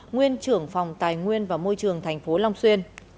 nguyên trưởng phòng tài nguyên và môi trường thành phố long xuyên